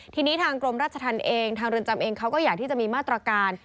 ทีนี้ทางกรมราชธรรมเองทางเรือนจำเองเขาก็อยากที่จะมีมาตรการ